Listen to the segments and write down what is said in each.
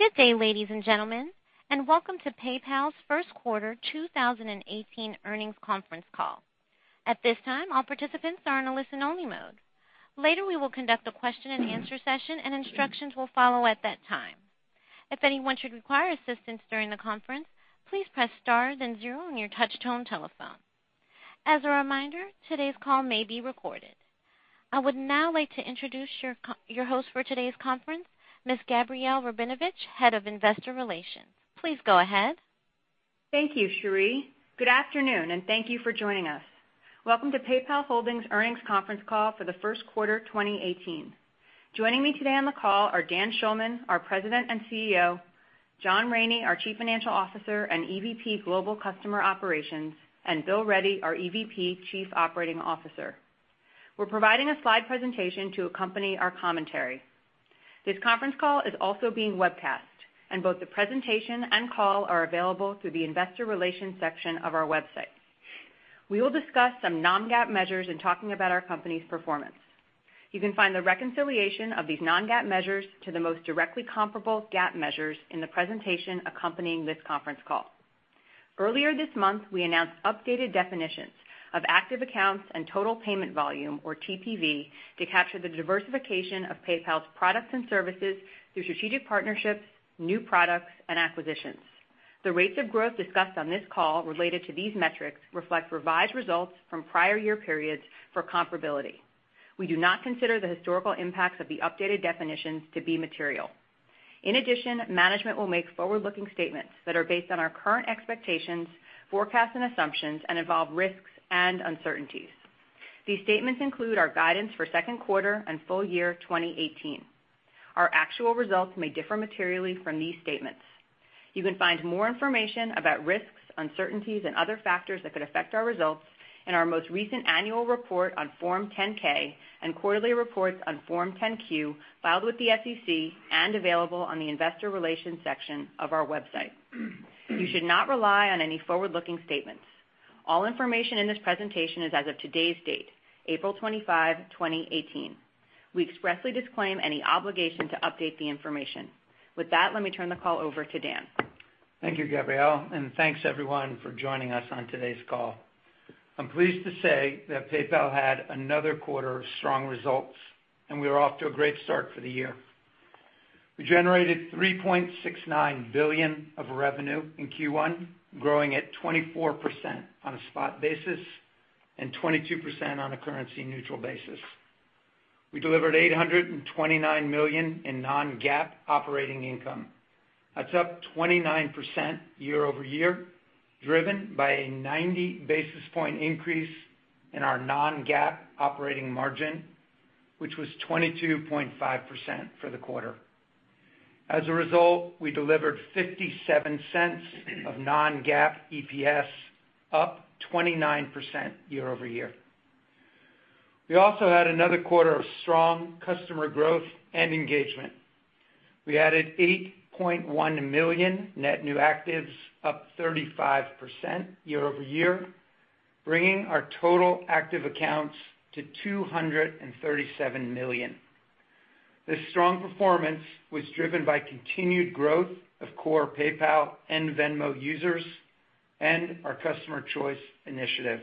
Good day, ladies and gentlemen. Welcome to PayPal's first quarter 2018 earnings conference call. At this time, all participants are in a listen-only mode. Later, we will conduct a question and answer session. Instructions will follow at that time. If anyone should require assistance during the conference, please press star then zero on your touchtone telephone. As a reminder, today's call may be recorded. I would now like to introduce your host for today's conference, Ms. Gabrielle Rabinovitch, Head of Investor Relations. Please go ahead. Thank you, Cherie. Good afternoon. Thank you for joining us. Welcome to PayPal Holdings earnings conference call for the first quarter 2018. Joining me today on the call are Dan Schulman, our President and CEO, John Rainey, our Chief Financial Officer and EVP Global Customer Operations, and Bill Ready, our EVP Chief Operating Officer. We're providing a slide presentation to accompany our commentary. This conference call is also being webcast. Both the presentation and call are available through the investor relations section of our website. We will discuss some non-GAAP measures in talking about our company's performance. You can find the reconciliation of these non-GAAP measures to the most directly comparable GAAP measures in the presentation accompanying this conference call. Earlier this month, we announced updated definitions of active accounts and total payment volume, or TPV, to capture the diversification of PayPal's products and services through strategic partnerships, new products, and acquisitions. The rates of growth discussed on this call related to these metrics reflect revised results from prior year periods for comparability. We do not consider the historical impacts of the updated definitions to be material. In addition, management will make forward-looking statements that are based on our current expectations, forecasts, and assumptions, and involve risks and uncertainties. These statements include our guidance for second quarter and full year 2018. Our actual results may differ materially from these statements. You can find more information about risks, uncertainties, and other factors that could affect our results in our most recent annual report on Form 10-K and quarterly reports on Form 10-Q filed with the SEC and available on the investor relations section of our website. You should not rely on any forward-looking statements. All information in this presentation is as of today's date, April 25, 2018. We expressly disclaim any obligation to update the information. With that, let me turn the call over to Dan. Thank you, Gabrielle, and thanks everyone for joining us on today's call. I'm pleased to say that PayPal had another quarter of strong results, and we are off to a great start for the year. We generated $3.69 billion of revenue in Q1, growing at 24% on a spot basis and 22% on a currency-neutral basis. We delivered $829 million in non-GAAP operating income. That's up 29% year-over-year, driven by a 90 basis points increase in our non-GAAP operating margin, which was 22.5% for the quarter. As a result, we delivered $0.57 of non-GAAP EPS, up 29% year-over-year. We also had another quarter of strong customer growth and engagement. We added 8.1 million net new actives, up 35% year-over-year, bringing our total active accounts to 237 million. This strong performance was driven by continued growth of core PayPal and Venmo users and our customer Choice initiative.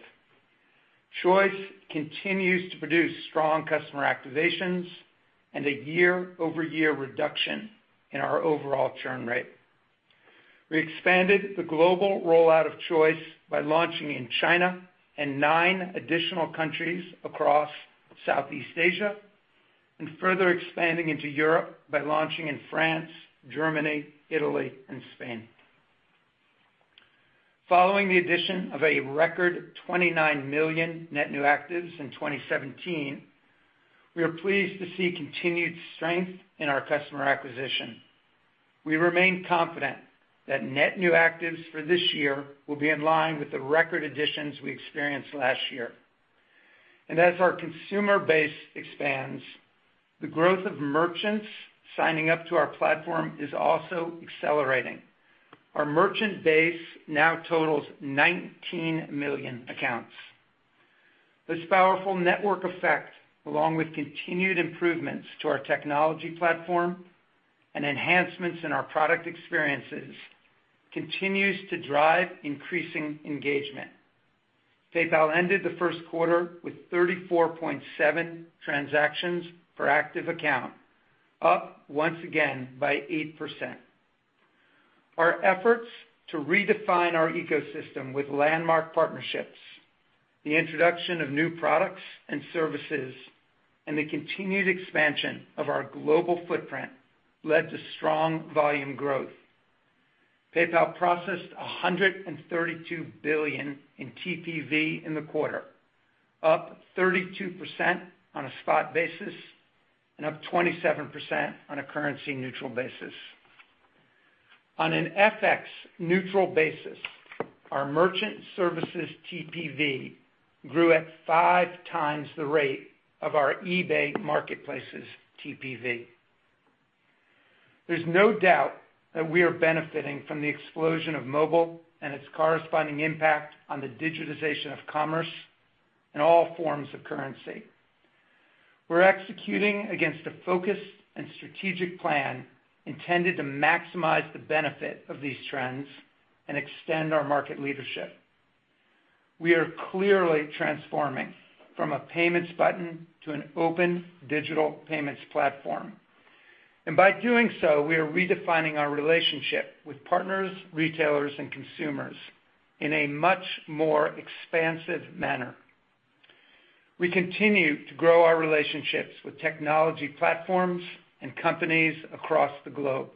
Choice continues to produce strong customer activations and a year-over-year reduction in our overall churn rate. We expanded the global rollout of Choice by launching in China and nine additional countries across Southeast Asia, and further expanding into Europe by launching in France, Germany, Italy, and Spain. Following the addition of a record 29 million net new actives in 2017, we are pleased to see continued strength in our customer acquisition. We remain confident that net new actives for this year will be in line with the record additions we experienced last year. As our consumer base expands, the growth of merchants signing up to our platform is also accelerating. Our merchant base now totals 19 million accounts. This powerful network effect, along with continued improvements to our technology platform and enhancements in our product experiences, continues to drive increasing engagement. PayPal ended the first quarter with 34.7 transactions per active account, up once again by 8%. Our efforts to redefine our ecosystem with landmark partnerships, the introduction of new products and services, and the continued expansion of our global footprint led to strong volume growth. PayPal processed $132 billion in TPV in the quarter, up 32% on a spot basis and up 27% on a currency-neutral basis. On an FX neutral basis, our merchant services TPV grew at five times the rate of our eBay marketplaces TPV. There's no doubt that we are benefiting from the explosion of mobile and its corresponding impact on the digitization of commerce in all forms of currency. We're executing against a focused and strategic plan intended to maximize the benefit of these trends and extend our market leadership. We are clearly transforming from a payments button to an open digital payments platform. By doing so, we are redefining our relationship with partners, retailers, and consumers in a much more expansive manner. We continue to grow our relationships with technology platforms and companies across the globe,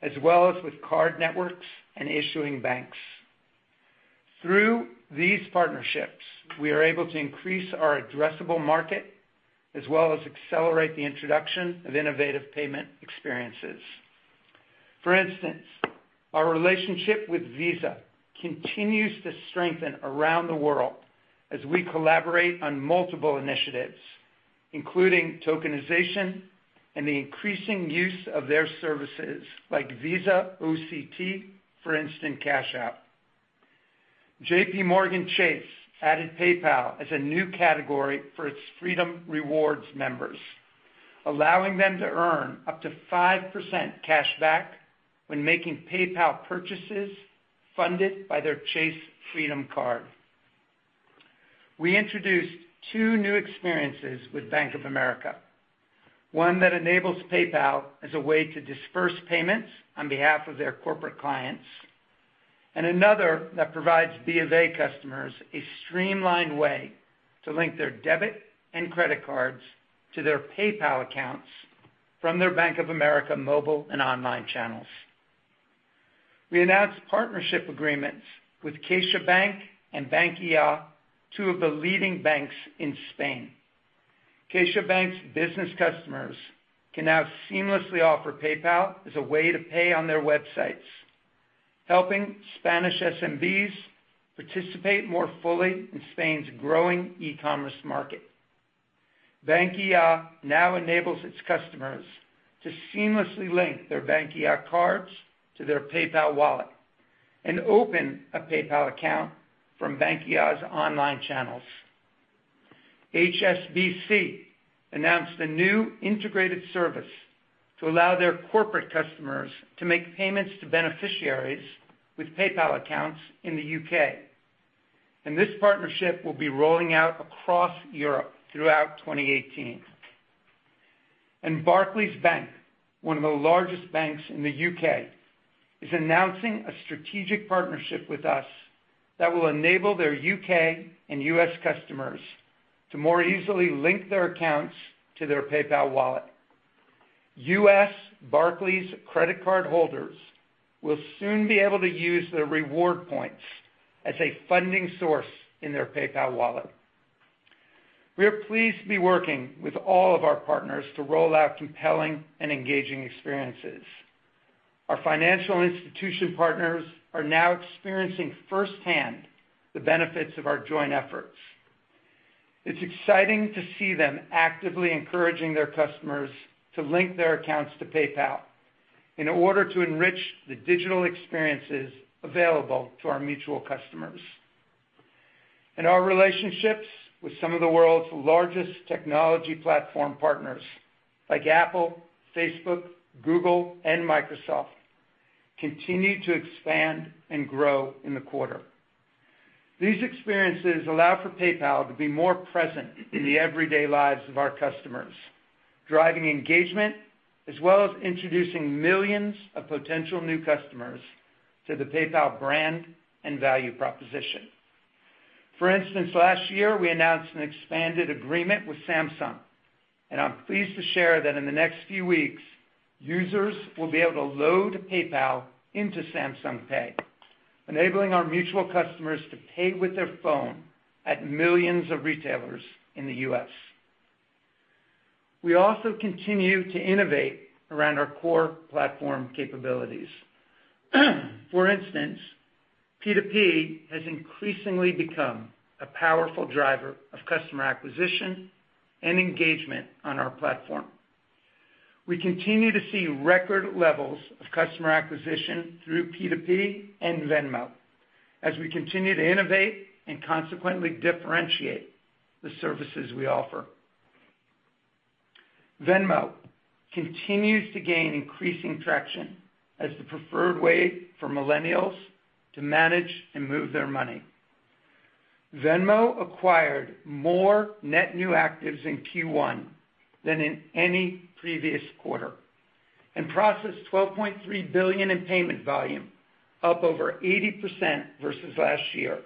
as well as with card networks and issuing banks. Through these partnerships, we are able to increase our addressable market as well as accelerate the introduction of innovative payment experiences. For instance, our relationship with Visa continues to strengthen around the world as we collaborate on multiple initiatives, including tokenization and the increasing use of their services like Visa OCT, for instance, Cash App. JPMorgan Chase added PayPal as a new category for its Freedom Rewards members, allowing them to earn up to 5% cash back when making PayPal purchases funded by their Chase Freedom Card. We introduced two new experiences with Bank of America, one that enables PayPal as a way to disperse payments on behalf of their corporate clients, and another that provides B of A customers a streamlined way to link their debit and credit cards to their PayPal accounts from their Bank of America mobile and online channels. We announced partnership agreements with CaixaBank and Bankia, two of the leading banks in Spain. CaixaBank's business customers can now seamlessly offer PayPal as a way to pay on their websites, helping Spanish SMBs participate more fully in Spain's growing e-commerce market. Bankia now enables its customers to seamlessly link their Bankia cards to their PayPal wallet and open a PayPal account from Bankia's online channels. HSBC announced a new integrated service to allow their corporate customers to make payments to beneficiaries with PayPal accounts in the U.K. This partnership will be rolling out across Europe throughout 2018. Barclays Bank, one of the largest banks in the U.K., is announcing a strategic partnership with us that will enable their U.K. and U.S. customers to more easily link their accounts to their PayPal wallet. U.S. Barclays credit card holders will soon be able to use their reward points as a funding source in their PayPal wallet. We are pleased to be working with all of our partners to roll out compelling and engaging experiences. Our financial institution partners are now experiencing firsthand the benefits of our joint efforts. It's exciting to see them actively encouraging their customers to link their accounts to PayPal in order to enrich the digital experiences available to our mutual customers. Our relationships with some of the world's largest technology platform partners like Apple, Facebook, Google, and Microsoft, continue to expand and grow in the quarter. These experiences allow for PayPal to be more present in the everyday lives of our customers, driving engagement, as well as introducing millions of potential new customers to the PayPal brand and value proposition. For instance, last year, we announced an expanded agreement with Samsung, and I'm pleased to share that in the next few weeks, users will be able to load PayPal into Samsung Pay, enabling our mutual customers to pay with their phone at millions of retailers in the U.S. We also continue to innovate around our core platform capabilities. For instance, P2P has increasingly become a powerful driver of customer acquisition and engagement on our platform. We continue to see record levels of customer acquisition through P2P and Venmo as we continue to innovate and consequently differentiate the services we offer. Venmo continues to gain increasing traction as the preferred way for millennials to manage and move their money. Venmo acquired more net new actives in Q1 than in any previous quarter and processed $12.3 billion in payment volume, up over 80% versus last year.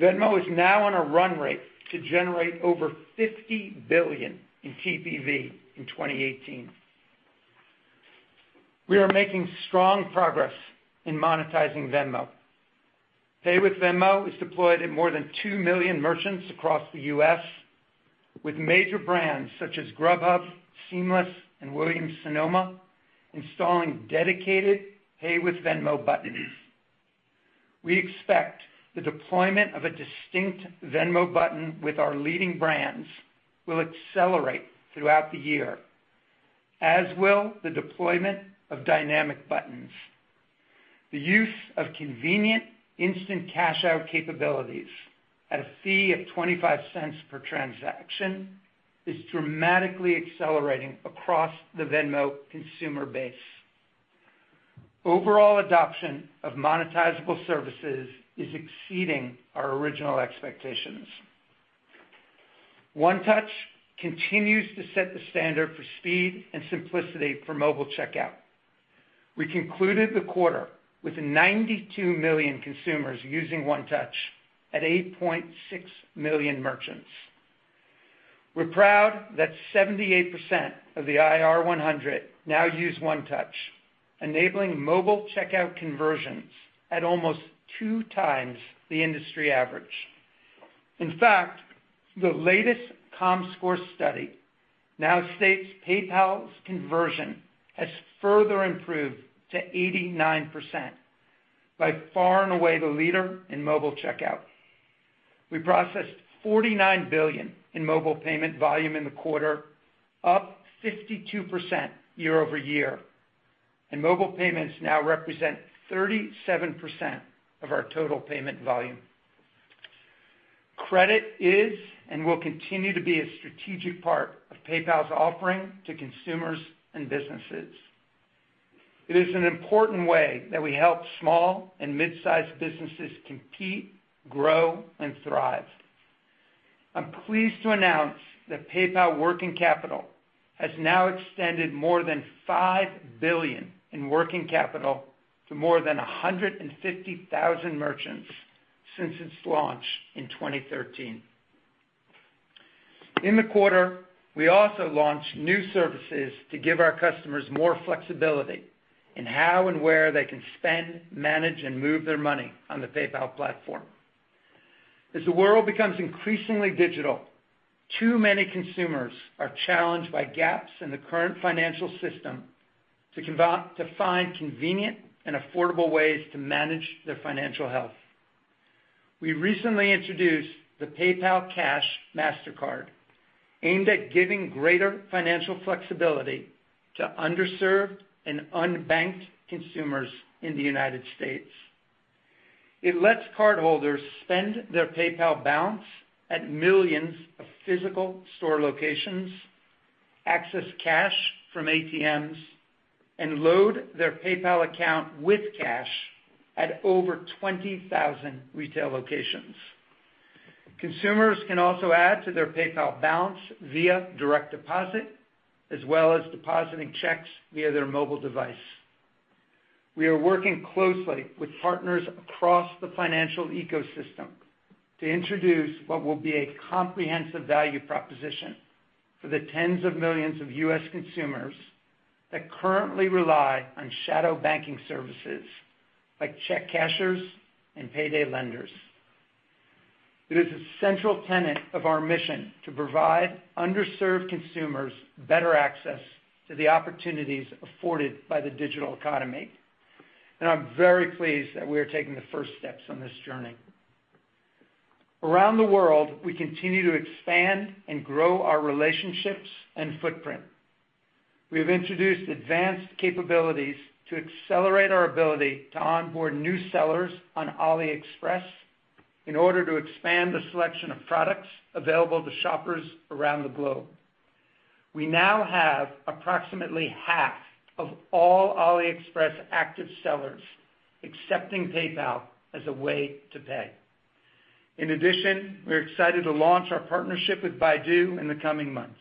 Venmo is now on a run rate to generate over $50 billion in TPV in 2018. We are making strong progress in monetizing Venmo. Pay with Venmo is deployed at more than 2 million merchants across the U.S., with major brands such as Grubhub, Seamless, and Williams-Sonoma installing dedicated Pay with Venmo buttons. We expect the deployment of a distinct Venmo button with our leading brands will accelerate throughout the year, as will the deployment of dynamic buttons. The use of convenient Instant Transfer capabilities at a fee of $0.25 per transaction is dramatically accelerating across the Venmo consumer base. Overall adoption of monetizable services is exceeding our original expectations. One Touch continues to set the standard for speed and simplicity for mobile checkout. We concluded the quarter with 92 million consumers using One Touch at 8.6 million merchants. We're proud that 78% of the IR 100 now use One Touch, enabling mobile checkout conversions at almost two times the industry average. In fact, the latest comScore study now states PayPal's conversion has further improved to 89%, by far and away the leader in mobile checkout. We processed $49 billion in mobile payment volume in the quarter, up 52% year-over-year. Mobile payments now represent 37% of our total payment volume. Credit is and will continue to be a strategic part of PayPal's offering to consumers and businesses. It is an important way that we help small and mid-size businesses compete, grow, and thrive. I'm pleased to announce that PayPal Working Capital has now extended more than $5 billion in working capital to more than 150,000 merchants since its launch in 2013. In the quarter, we also launched new services to give our customers more flexibility in how and where they can spend, manage, and move their money on the PayPal platform. As the world becomes increasingly digital, too many consumers are challenged by gaps in the current financial system to find convenient and affordable ways to manage their financial health. We recently introduced the PayPal Cashback Mastercard, aimed at giving greater financial flexibility to underserved and unbanked consumers in the United States. It lets cardholders spend their PayPal balance at millions of physical store locations, access cash from ATMs, and load their PayPal account with cash at over 20,000 retail locations. Consumers can also add to their PayPal balance via direct deposit, as well as depositing checks via their mobile device. We are working closely with partners across the financial ecosystem to introduce what will be a comprehensive value proposition for the tens of millions of U.S. consumers that currently rely on shadow banking services like check cashers and payday lenders. It is a central tenet of our mission to provide underserved consumers better access to the opportunities afforded by the digital economy, and I'm very pleased that we are taking the first steps on this journey. Around the world, we continue to expand and grow our relationships and footprint. We have introduced advanced capabilities to accelerate our ability to onboard new sellers on AliExpress in order to expand the selection of products available to shoppers around the globe. We now have approximately half of all AliExpress active sellers accepting PayPal as a way to pay. In addition, we're excited to launch our partnership with Baidu in the coming months.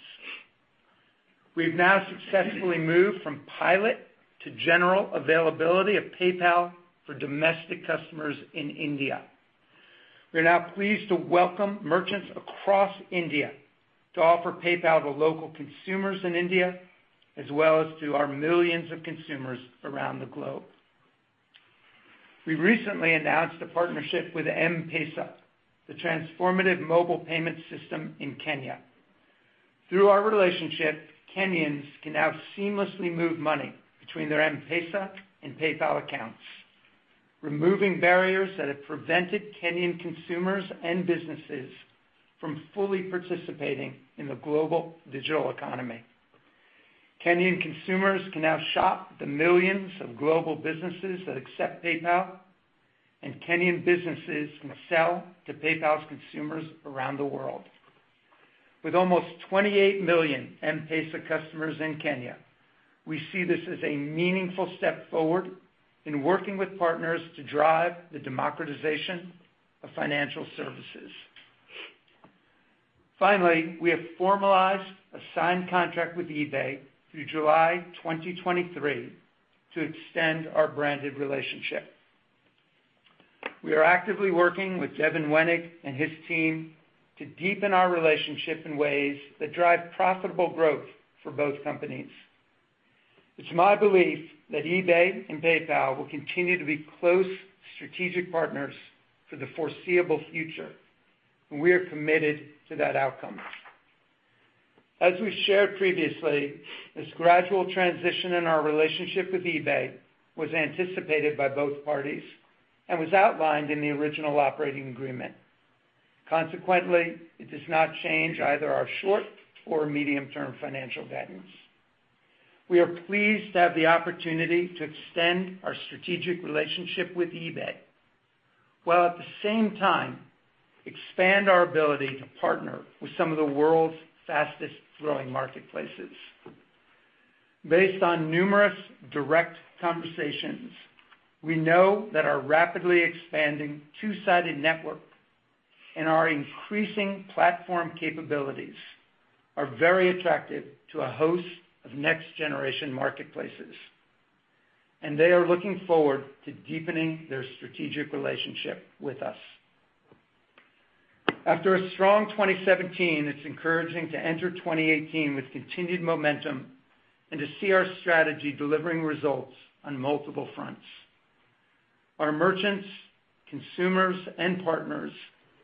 We've now successfully moved from pilot to general availability of PayPal for domestic customers in India. We are now pleased to welcome merchants across India to offer PayPal to local consumers in India, as well as to our millions of consumers around the globe. We recently announced a partnership with M-PESA, the transformative mobile payment system in Kenya. Through our relationship, Kenyans can now seamlessly move money between their M-PESA and PayPal accounts, removing barriers that have prevented Kenyan consumers and businesses from fully participating in the global digital economy. Kenyan consumers can now shop the millions of global businesses that accept PayPal, and Kenyan businesses can sell to PayPal's consumers around the world. With almost 28 million M-PESA customers in Kenya, we see this as a meaningful step forward in working with partners to drive the democratization of financial services. Finally, we have formalized a signed contract with eBay through July 2023 to extend our branded relationship. We are actively working with Devin Wenig and his team to deepen our relationship in ways that drive profitable growth for both companies. It's my belief that eBay and PayPal will continue to be close strategic partners for the foreseeable future, and we are committed to that outcome. As we shared previously, this gradual transition in our relationship with eBay was anticipated by both parties and was outlined in the original operating agreement. Consequently, it does not change either our short or medium-term financial guidance. We are pleased to have the opportunity to extend our strategic relationship with eBay, while at the same time expand our ability to partner with some of the world's fastest-growing marketplaces. Based on numerous direct conversations, we know that our rapidly expanding two-sided network and our increasing platform capabilities are very attractive to a host of next-generation marketplaces, and they are looking forward to deepening their strategic relationship with us. After a strong 2017, it's encouraging to enter 2018 with continued momentum and to see our strategy delivering results on multiple fronts. Our merchants, consumers, and partners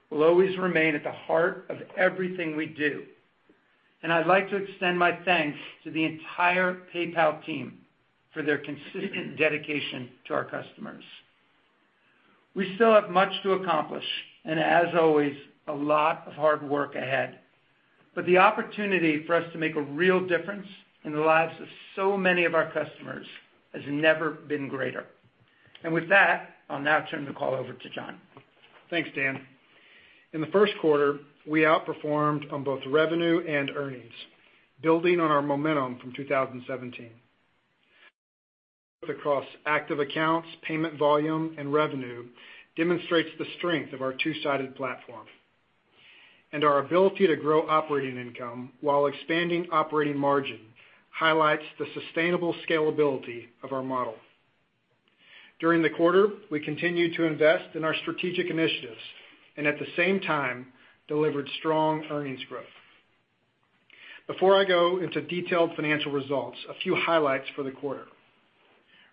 will always remain at the heart of everything we do, and I'd like to extend my thanks to the entire PayPal team for their consistent dedication to our customers. We still have much to accomplish, and as always, a lot of hard work ahead, but the opportunity for us to make a real difference in the lives of so many of our customers has never been greater. With that, I'll now turn the call over to John. Thanks, Dan. In the first quarter, we outperformed on both revenue and earnings, building on our momentum from 2017. Across active accounts, payment volume, and revenue demonstrates the strength of our two-sided platform. Our ability to grow operating income while expanding operating margin highlights the sustainable scalability of our model. During the quarter, we continued to invest in our strategic initiatives, and at the same time, delivered strong earnings growth. Before I go into detailed financial results, a few highlights for the quarter.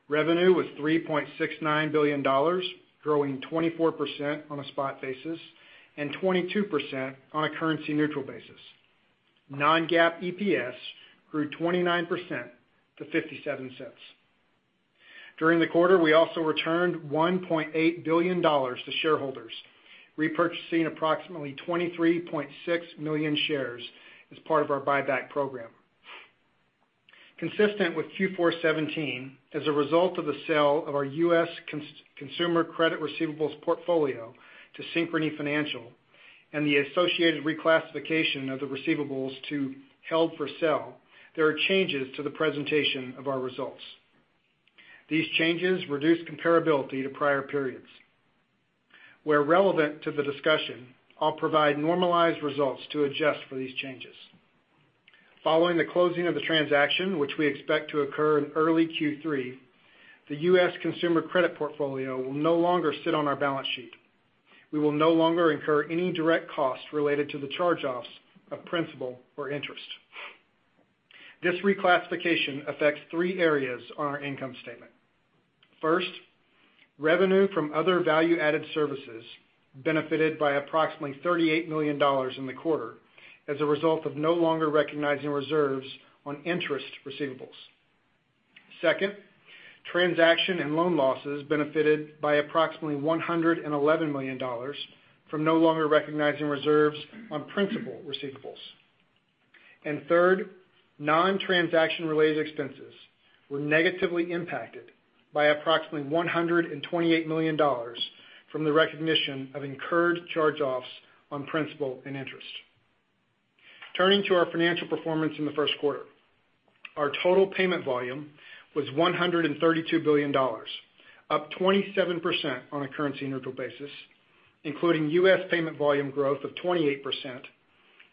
Revenue was $3.69 billion, growing 24% on a spot basis and 22% on a currency neutral basis. Non-GAAP EPS grew 29% to $0.57. During the quarter, we also returned $1.8 billion to shareholders, repurchasing approximately 23.6 million shares as part of our buyback program. Consistent with Q4 2017, as a result of the sale of our U.S. consumer credit receivables portfolio to Synchrony Financial and the associated reclassification of the receivables to held-for-sale, there are changes to the presentation of our results. These changes reduce comparability to prior periods. Where relevant to the discussion, I'll provide normalized results to adjust for these changes. Following the closing of the transaction, which we expect to occur in early Q3, the U.S. consumer credit portfolio will no longer sit on our balance sheet. We will no longer incur any direct cost related to the charge-offs of principal or interest. This reclassification affects three areas on our income statement. First, revenue from other value-added services benefited by approximately $38 million in the quarter as a result of no longer recognizing reserves on interest receivables. Second, transaction and loan losses benefited by approximately $111 million from no longer recognizing reserves on principal receivables. Third, non-transaction related expenses were negatively impacted by approximately $128 million from the recognition of incurred charge-offs on principal and interest. Turning to our financial performance in the first quarter. Our total payment volume was $132 billion, up 27% on a currency neutral basis, including U.S. payment volume growth of 28%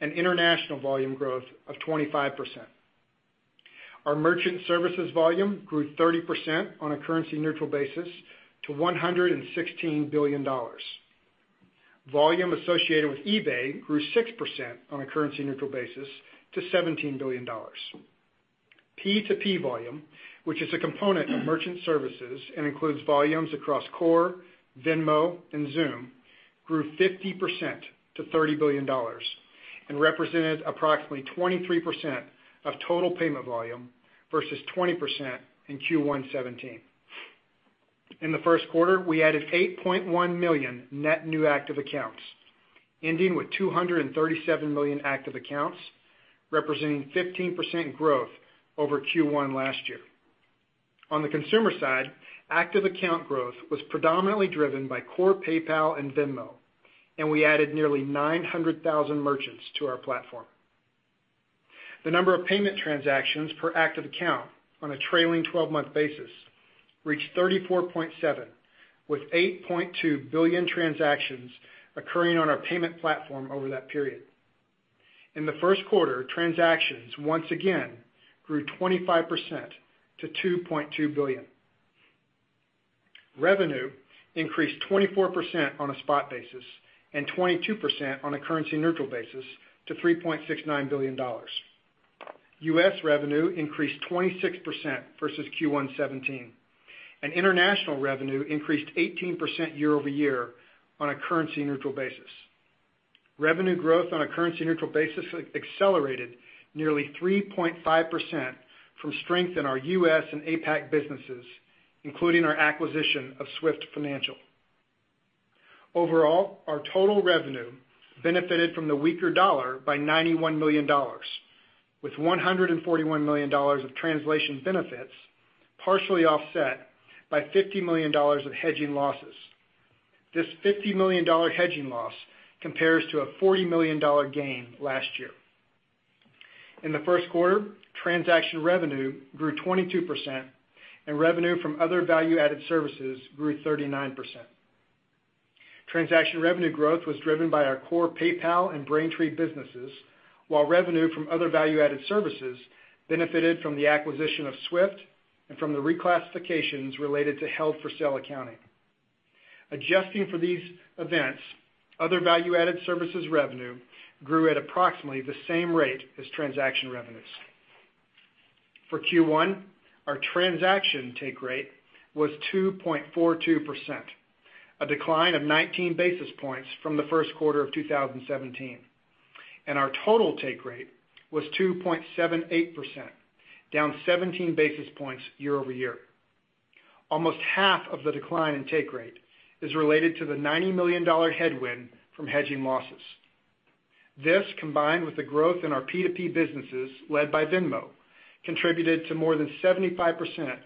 and international volume growth of 25%. Our merchant services volume grew 30% on a currency neutral basis to $116 billion. Volume associated with eBay grew 6% on a currency neutral basis to $17 billion. P2P volume, which is a component of merchant services and includes volumes across Core, Venmo, and Xoom, grew 50% to $30 billion and represented approximately 23% of total payment volume versus 20% in Q1 2017. In the first quarter, we added 8.1 million net new active accounts, ending with 237 million active accounts, representing 15% growth over Q1 last year. On the consumer side, active account growth was predominantly driven by core PayPal and Venmo, and we added nearly 900,000 merchants to our platform. The number of payment transactions per active account on a trailing 12-month basis reached 34.7, with 8.2 billion transactions occurring on our payment platform over that period. In the first quarter, transactions once again grew 25% to 2.2 billion. Revenue increased 24% on a spot basis and 22% on a currency neutral basis to $3.69 billion. U.S. revenue increased 26% versus Q1 2017, and international revenue increased 18% year-over-year on a currency neutral basis. Revenue growth on a currency neutral basis accelerated nearly 3.5% from strength in our U.S. and APAC businesses including our acquisition of Swift Financial. Overall, our total revenue benefited from the weaker dollar by $91 million, with $141 million of translation benefits, partially offset by $50 million of hedging losses. This $50 million hedging loss compares to a $40 million gain last year. In the first quarter, transaction revenue grew 22%, and revenue from other value-added services grew 39%. Transaction revenue growth was driven by our core PayPal and Braintree businesses, while revenue from other value-added services benefited from the acquisition of Swift and from the reclassifications related to held-for-sale accounting. Adjusting for these events, other value-added services revenue grew at approximately the same rate as transaction revenues. For Q1, our transaction take rate was 2.42%, a decline of 19 basis points from the first quarter of 2017, and our total take rate was 2.78%, down 17 basis points year-over-year. Almost half of the decline in take rate is related to the $90 million headwind from hedging losses. This, combined with the growth in our P2P businesses, led by Venmo, contributed to more than 75%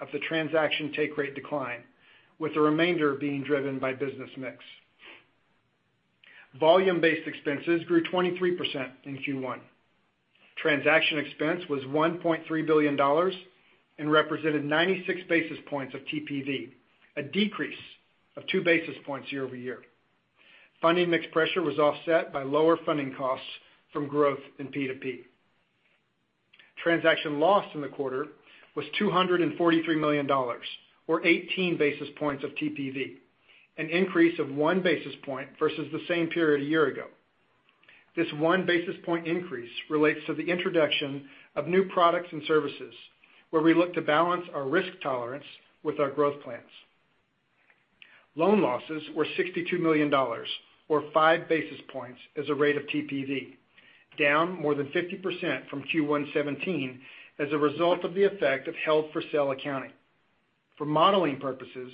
of the transaction take rate decline, with the remainder being driven by business mix. Volume-based expenses grew 23% in Q1. Transaction expense was $1.3 billion and represented 96 basis points of TPV, a decrease of two basis points year-over-year. Funding mix pressure was offset by lower funding costs from growth in P2P. Transaction loss in the quarter was $243 million or 18 basis points of TPV, an increase of one basis point versus the same period a year ago. This one basis point increase relates to the introduction of new products and services, where we look to balance our risk tolerance with our growth plans. Loan losses were $62 million or five basis points as a rate of TPV, down more than 50% from Q1 2017 as a result of the effect of held-for-sale accounting. For modeling purposes,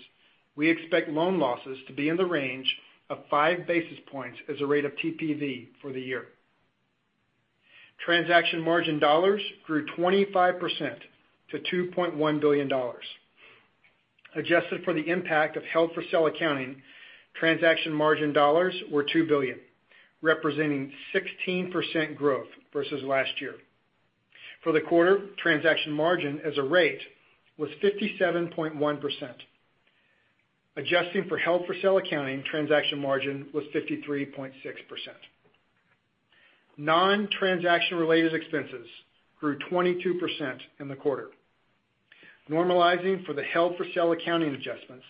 we expect loan losses to be in the range of five basis points as a rate of TPV for the year. Transaction margin dollars grew 25% to $2.1 billion. Adjusted for the impact of held-for-sale accounting, transaction margin dollars were $2 billion, representing 16% growth versus last year. For the quarter, transaction margin as a rate was 57.1%. Adjusting for held-for-sale accounting, transaction margin was 53.6%. Non-transaction related expenses grew 22% in the quarter. Normalizing for the held-for-sale accounting adjustments,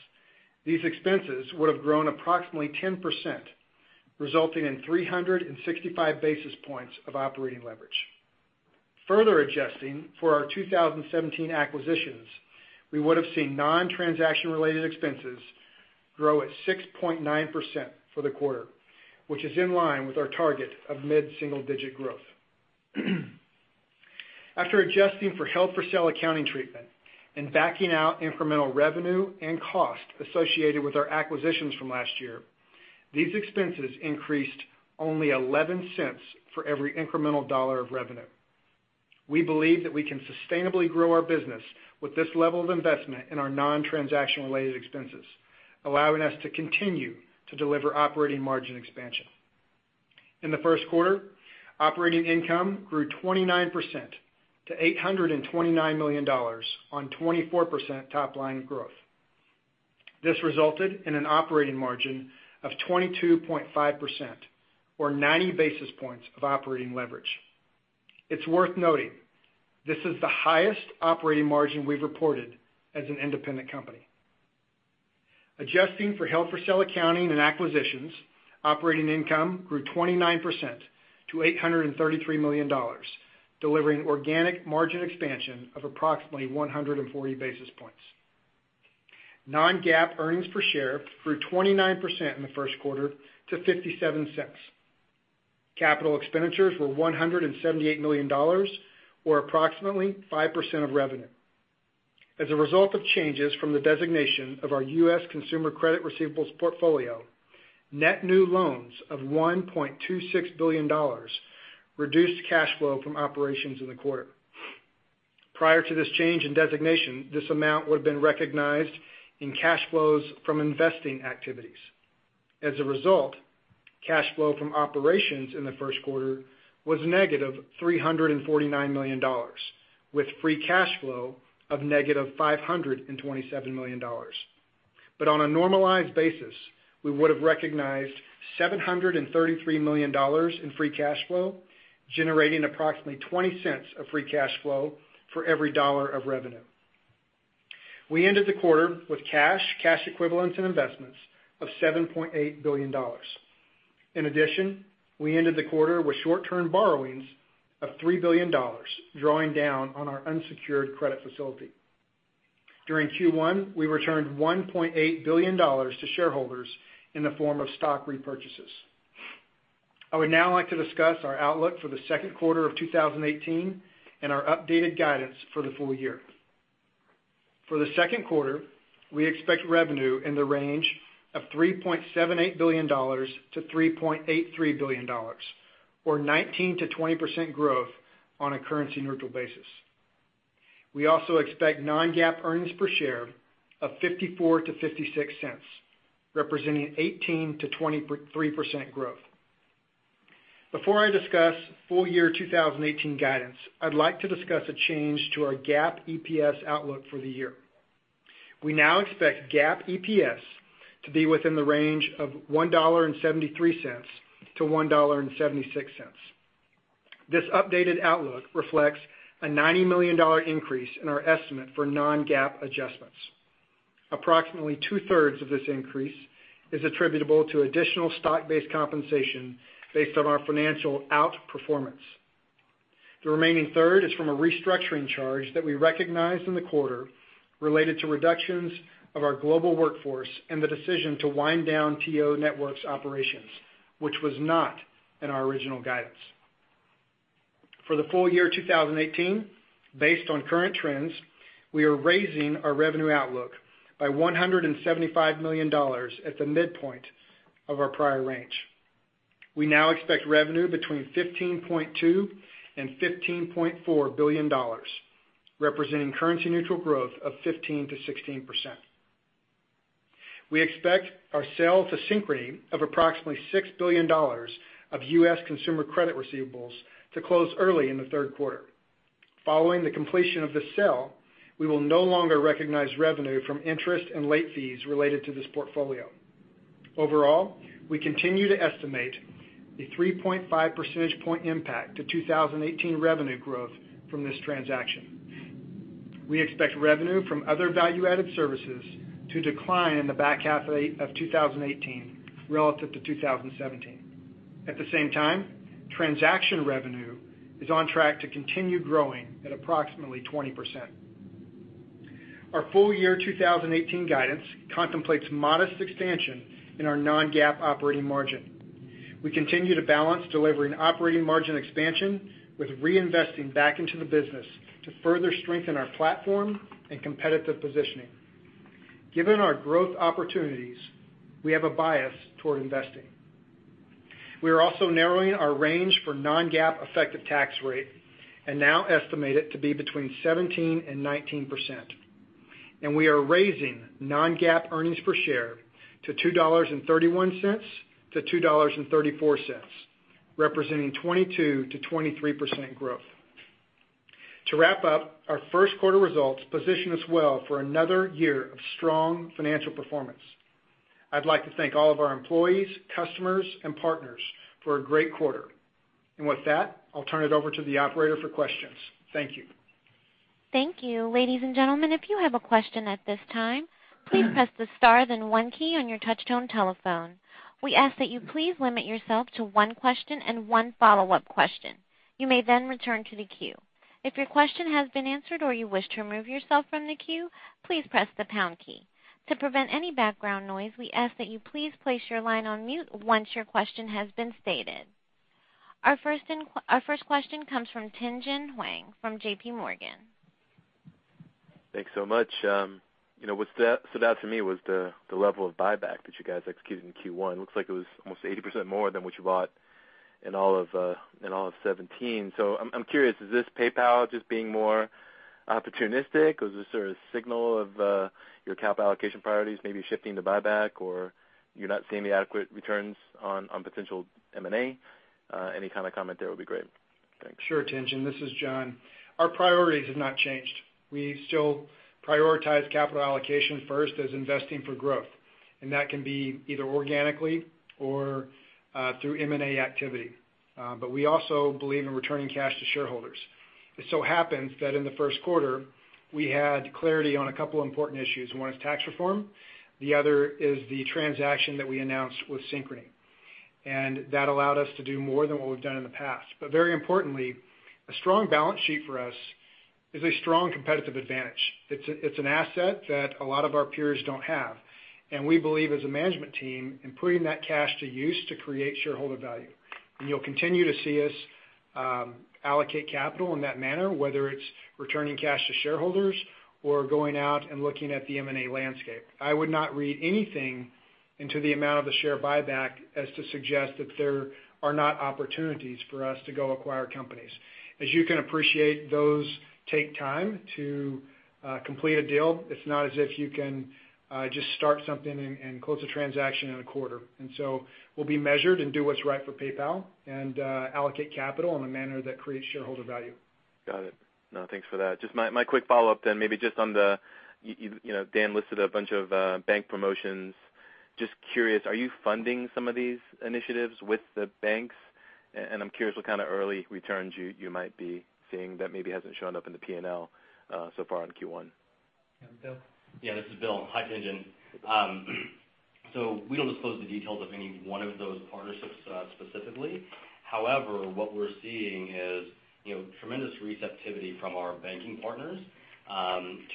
these expenses would have grown approximately 10%, resulting in 365 basis points of operating leverage. Further adjusting for our 2017 acquisitions, we would have seen non-transaction related expenses grow at 6.9% for the quarter, which is in line with our target of mid-single digit growth. After adjusting for held-for-sale accounting treatment and backing out incremental revenue and cost associated with our acquisitions from last year, these expenses increased only $0.11 for every incremental dollar of revenue. We believe that we can sustainably grow our business with this level of investment in our non-transaction related expenses, allowing us to continue to deliver operating margin expansion. In the first quarter, operating income grew 29% to $829 million on 24% top-line growth. This resulted in an operating margin of 22.5% or 90 basis points of operating leverage. It's worth noting, this is the highest operating margin we've reported as an independent company. Adjusting for held-for-sale accounting and acquisitions, operating income grew 29% to $833 million, delivering organic margin expansion of approximately 140 basis points. Non-GAAP earnings per share grew 29% in the first quarter to $0.57. Capital expenditures were $178 million or approximately 5% of revenue. As a result of changes from the designation of our U.S. consumer credit receivables portfolio, net new loans of $1.26 billion reduced cash flow from operations in the quarter. Prior to this change in designation, this amount would have been recognized in cash flows from investing activities. As a result, cash flow from operations in the first quarter was negative $349 million, with free cash flow of negative $527 million. On a normalized basis, we would have recognized $733 million in free cash flow, generating approximately $0.20 of free cash flow for every dollar of revenue. We ended the quarter with cash equivalents, and investments of $7.8 billion. In addition, we ended the quarter with short-term borrowings of $3 billion, drawing down on our unsecured credit facility. During Q1, we returned $1.8 billion to shareholders in the form of stock repurchases. I would now like to discuss our outlook for the second quarter of 2018 and our updated guidance for the full year. For the second quarter, we expect revenue in the range of $3.78 billion to $3.83 billion, or 19%-20% growth on a currency-neutral basis. We also expect non-GAAP earnings per share of $0.54-$0.56, representing 18%-23% growth. Before I discuss full year 2018 guidance, I'd like to discuss a change to our GAAP EPS outlook for the year. We now expect GAAP EPS to be within the range of $1.73 to $1.76. This updated outlook reflects a $90 million increase in our estimate for non-GAAP adjustments. Approximately two-thirds of this increase is attributable to additional stock-based compensation based on our financial outperformance. The remaining third is from a restructuring charge that we recognized in the quarter related to reductions of our global workforce and the decision to wind down TIO Networks operations, which was not in our original guidance. For the full year 2018, based on current trends, we are raising our revenue outlook by $175 million at the midpoint of our prior range. We now expect revenue between $15.2 and $15.4 billion, representing currency neutral growth of 15%-16%. We expect our sale to Synchrony of approximately $6 billion of U.S. consumer credit receivables to close early in the third quarter. Following the completion of the sale, we will no longer recognize revenue from interest and late fees related to this portfolio. Overall, we continue to estimate a 3.5 percentage point impact to 2018 revenue growth from this transaction. We expect revenue from other value-added services to decline in the back half of 2018 relative to 2017. At the same time, transaction revenue is on track to continue growing at approximately 20%. Our full year 2018 guidance contemplates modest expansion in our non-GAAP operating margin. We continue to balance delivering operating margin expansion with reinvesting back into the business to further strengthen our platform and competitive positioning. Given our growth opportunities, we have a bias toward investing. We are also narrowing our range for non-GAAP effective tax rate and now estimate it to be between 17%-19%. We are raising non-GAAP earnings per share to $2.31-$2.34, representing 22%-23% growth. To wrap up, our first quarter results position us well for another year of strong financial performance. I'd like to thank all of our employees, customers, and partners for a great quarter. With that, I'll turn it over to the operator for questions. Thank you. Thank you. Ladies and gentlemen, if you have a question at this time, please press the star then one key on your touch-tone telephone. We ask that you please limit yourself to one question and one follow-up question. You may then return to the queue. If your question has been answered or you wish to remove yourself from the queue, please press the pound key. To prevent any background noise, we ask that you please place your line on mute once your question has been stated. Our first question comes from Tien-Tsin Huang from J.P. Morgan. Thanks so much. What stood out for me was the level of buyback that you guys executed in Q1. Looks like it was almost 80% more than what you bought in all of 2017. I'm curious, is this PayPal just being more opportunistic, or is this sort of signal of your capital allocation priorities maybe shifting to buyback, or you're not seeing the adequate returns on potential M&A? Any kind of comment there would be great. Thanks. Sure, Tien-Tsin. This is John. Our priorities have not changed. We still prioritize capital allocation first as investing for growth, and that can be either organically or through M&A activity. We also believe in returning cash to shareholders. It so happens that in the first quarter, we had clarity on a couple important issues. One is tax reform, the other is the transaction that we announced with Synchrony. That allowed us to do more than what we've done in the past. Very importantly, a strong balance sheet for us is a strong competitive advantage. It's an asset that a lot of our peers don't have, and we believe as a management team in putting that cash to use to create shareholder value. You'll continue to see us allocate capital in that manner, whether it's returning cash to shareholders or going out and looking at the M&A landscape. I would not read anything into the amount of the share buyback as to suggest that there are not opportunities for us to go acquire companies. As you can appreciate, those take time to complete a deal. It's not as if you can just start something and close a transaction in a quarter. We'll be measured and do what's right for PayPal and allocate capital in a manner that creates shareholder value. Got it. No, thanks for that. Just my quick follow-up then, maybe just on the Dan listed a bunch of bank promotions. Just curious, are you funding some of these initiatives with the banks? I'm curious what kind of early returns you might be seeing that maybe hasn't shown up in the P&L so far in Q1. Bill? Yeah, this is Bill. Hi, Tien-Tsin. We don't disclose the details of any one of those partnerships specifically. However, what we're seeing is tremendous receptivity from our banking partners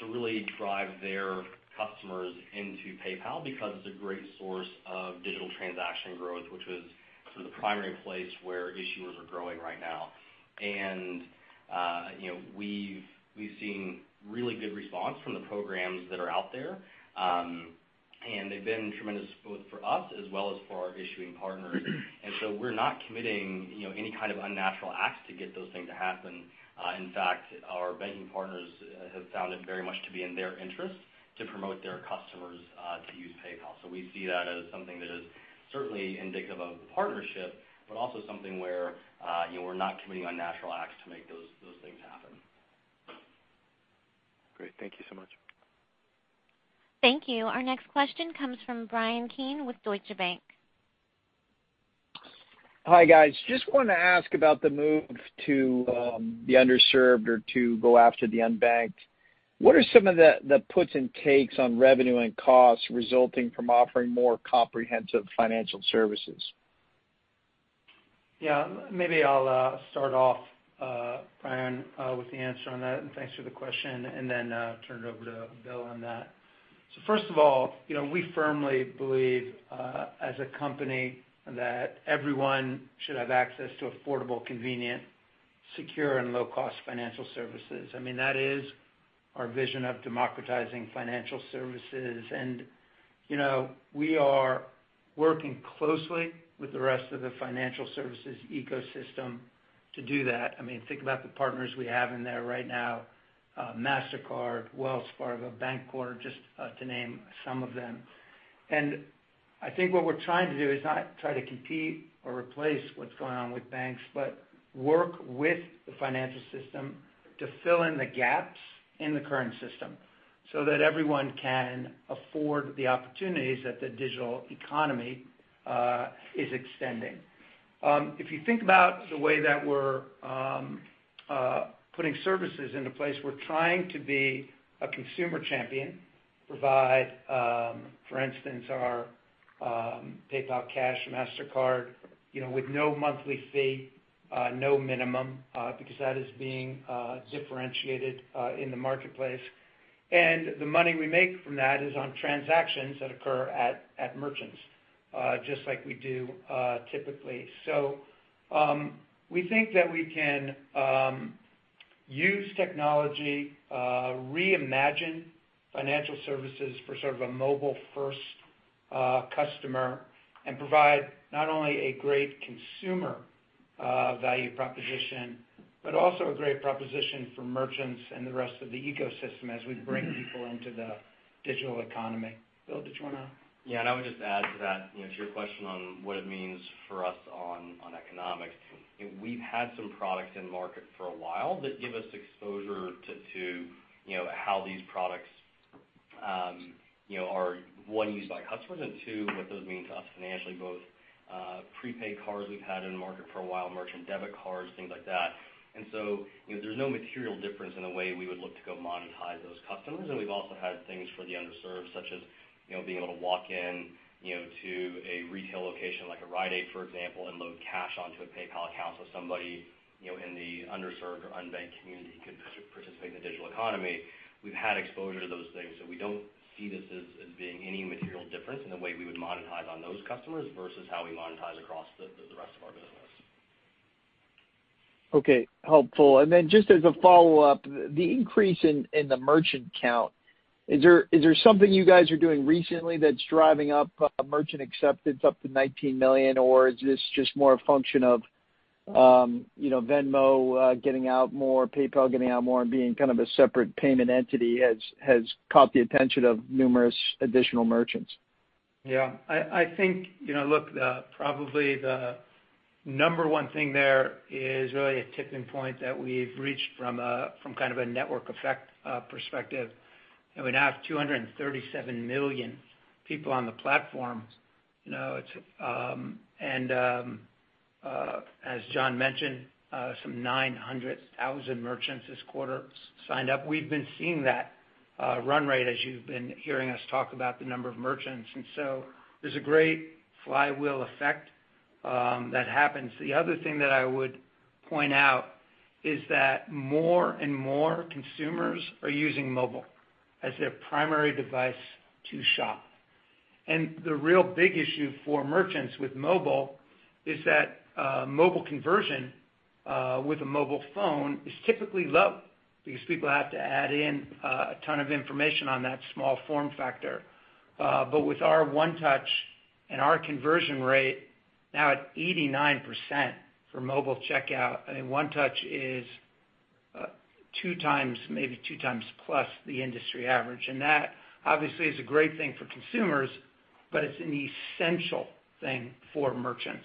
to really drive their customers into PayPal because it's a great source of digital transaction growth, which was sort of the primary place where issuers are growing right now. We've seen really good response from the programs that are out there. They've been tremendous both for us as well as for our issuing partners. We're not committing any kind of unnatural acts to get those things to happen. In fact, our banking partners have found it very much to be in their interest to promote their customers to use PayPal. We see that as something that is certainly indicative of the partnership, but also something where we're not committing unnatural acts to make those things happen. Great. Thank you so much. Thank you. Our next question comes from Bryan Keane with Deutsche Bank. Hi, guys. Just wanted to ask about the move to the underserved or to go after the unbanked. What are some of the puts and takes on revenue and costs resulting from offering more comprehensive financial services? Maybe I'll start off, Bryan, with the answer on that, and thanks for the question, and then turn it over to Bill on that. First of all, we firmly believe, as a company, that everyone should have access to affordable, convenient, secure, and low-cost financial services. I mean, that is our vision of democratizing financial services. We are working closely with the rest of the financial services ecosystem to do that. Think about the partners we have in there right now, Mastercard, Wells Fargo, Bancorp, just to name some of them. I think what we're trying to do is not try to compete or replace what's going on with banks, but work with the financial system to fill in the gaps in the current system so that everyone can afford the opportunities that the digital economy is extending. If you think about the way that we're putting services into place, we're trying to be a consumer champion, provide, for instance, our PayPal Cashback Mastercard with no monthly fee, no minimum, because that is being differentiated in the marketplace. The money we make from that is on transactions that occur at merchants, just like we do typically. We think that we can use technology, reimagine financial services for sort of a mobile-first customer, and provide not only a great consumer value proposition, but also a great proposition for merchants and the rest of the ecosystem as we bring people into the digital economy. Bill, did you want to? I would just add to that, to your question on what it means for us on economics. We've had some products in market for a while that give us exposure to how these products are, one, used by customers, and two, what those mean to us financially, both prepaid cards we've had in the market for a while, merchant debit cards, things like that. There's no material difference in the way we would look to go monetize those customers. We've also had things for the underserved, such as being able to walk in to a retail location like a Rite Aid, for example, and load cash onto a PayPal account so somebody in the underserved or unbanked community could participate in the digital economy. We've had exposure to those things, we don't see this as being any material difference in the way we would monetize on those customers versus how we monetize across the rest of our business. Okay. Helpful. Just as a follow-up, the increase in the merchant count, is there something you guys are doing recently that's driving up merchant acceptance up to $19 million? Or is this just more a function of Venmo getting out more, PayPal getting out more, and being kind of a separate payment entity has caught the attention of numerous additional merchants? I think, look, probably the number one thing there is really a tipping point that we've reached from kind of a network effect perspective. We now have 237 million people on the platform. As John mentioned, some 900,000 merchants this quarter signed up. We've been seeing that run rate as you've been hearing us talk about the number of merchants. There's a great flywheel effect that happens. The other thing that I would point out is that more and more consumers are using mobile as their primary device to shop. The real big issue for merchants with mobile is that mobile conversion with a mobile phone is typically low because people have to add in a ton of information on that small form factor. With our One Touch and our conversion rate now at 89% for mobile checkout, One Touch is maybe 2 times plus the industry average. That obviously is a great thing for consumers, but it's an essential thing for merchants.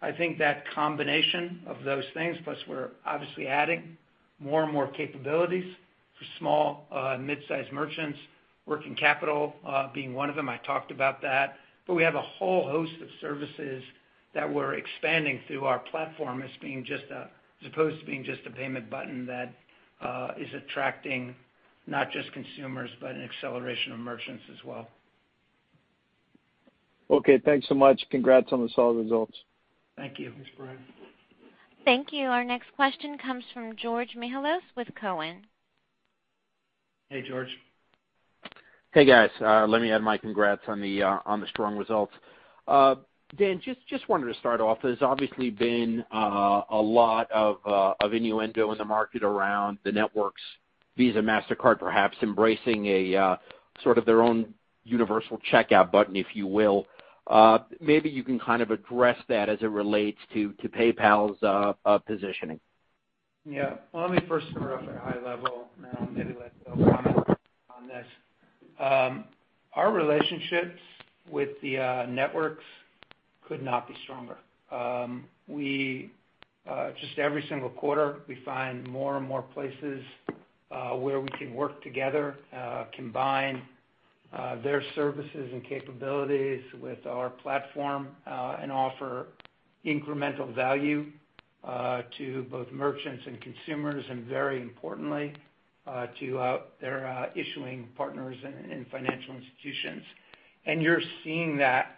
I think that combination of those things, plus we're obviously adding more and more capabilities for small mid-size merchants, working capital being one of them. I talked about that. We have a whole host of services that we're expanding through our platform as opposed to being just a payment button that is attracting not just consumers, but an acceleration of merchants as well. Okay, thanks so much. Congrats on the solid results. Thank you. Thanks, Bryan. Thank you. Our next question comes from Georgios Mihalos with Cowen. Hey, George. Hey, guys. Let me add my congrats on the strong results. Dan, just wanted to start off, there's obviously been a lot of innuendo in the market around the networks, Visa, Mastercard, perhaps embracing a sort of their own universal checkout button, if you will. Maybe you can kind of address that as it relates to PayPal's positioning. Yeah. Well, let me first start off at a high level, and then maybe let Bill comment on this. Our relationships with the networks could not be stronger. Just every single quarter, we find more and more places where we can work together, combine their services and capabilities with our platform, and offer incremental value to both merchants and consumers, and very importantly, to their issuing partners and financial institutions. You're seeing that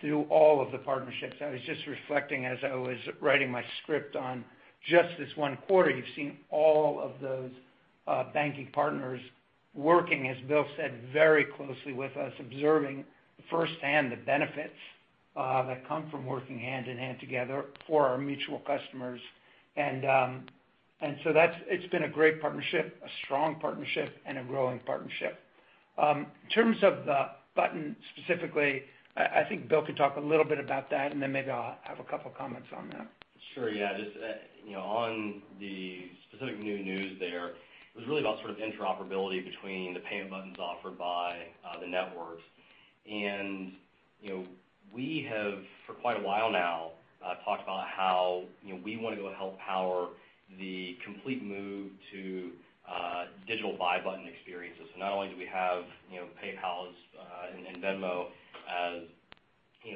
through all of the partnerships. I was just reflecting as I was writing my script on just this one quarter, you've seen all of those banking partners working, as Bill said, very closely with us, observing firsthand the benefits that come from working hand-in-hand together for our mutual customers. So it's been a great partnership, a strong partnership, and a growing partnership. In terms of the button specifically, I think Bill Ready could talk a little bit about that, then maybe I'll have a couple of comments on that. Sure, yeah. On the specific new news there, it was really about sort of interoperability between the payment buttons offered by the networks. We have, for quite a while now, talked about how we want to go help power the complete move to digital buy button experiences. Not only do we have PayPal and Venmo as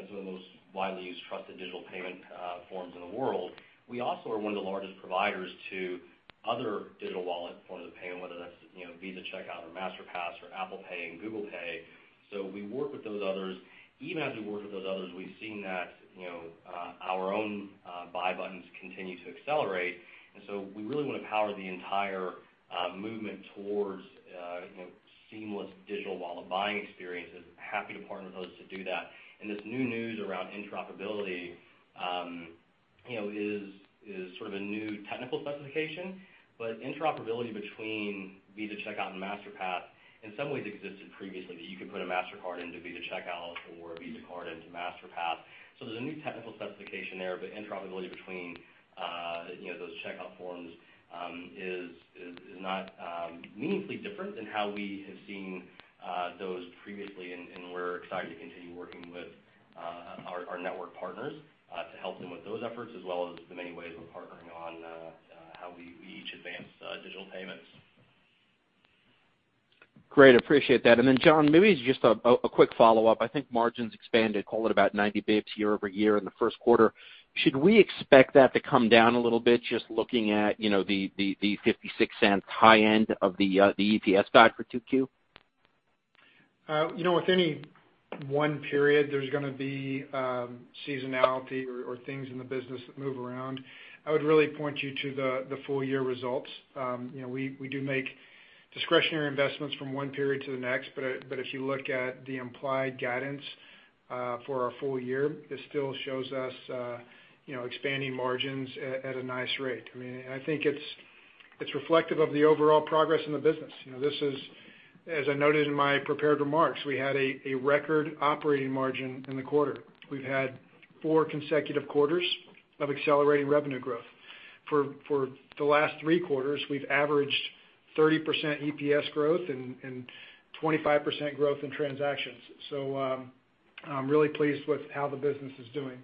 some of the most widely used trusted digital payment forms in the world, we also are one of the largest providers to other digital wallet forms of payment, whether that's Visa Checkout or Masterpass or Apple Pay and Google Pay. We work with those others. Even as we work with those others, we've seen that our own buy buttons continue to accelerate. We really want to power the entire movement towards seamless digital wallet buying experiences, happy to partner with others to do that. This new news around interoperability is sort of a new technical specification, interoperability between Visa Checkout and Masterpass in some ways existed previously, that you could put a Mastercard into Visa Checkout or a Visa card into Masterpass. There's a new technical specification there, interoperability between those checkout forms is not meaningfully different than how we have seen those previously. We're excited to continue working with our network partners to help them with those efforts, as well as the many ways we're partnering on how we each advance digital payments. Great. Appreciate that. Then, John Rainey, maybe just a quick follow-up. I think margins expanded, call it about 90 basis points year-over-year in the first quarter. Should we expect that to come down a little bit, just looking at the $0.56 high end of the EPS guide for 2Q? With any one period, there's going to be seasonality or things in the business that move around. I would really point you to the full year results. We do make discretionary investments from one period to the next, but if you look at the implied guidance for our full year, it still shows us expanding margins at a nice rate. I think it's reflective of the overall progress in the business. As I noted in my prepared remarks, we had a record operating margin in the quarter. We've had 4 consecutive quarters of accelerating revenue growth. For the last 3 quarters, we've averaged 30% EPS growth and 25% growth in transactions. I'm really pleased with how the business is doing.